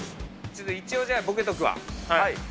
ちょっと一応、じゃ、ボケとくわ。